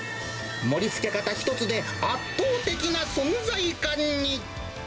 盛りつけ方ひとつで、圧倒的な存在感に。